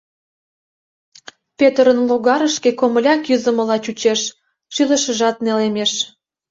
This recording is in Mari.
Пӧтырын логарышке комыля кӱзымыла чучеш, шӱлышыжат нелемеш.